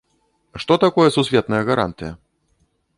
Што такое сусветная гарантыя?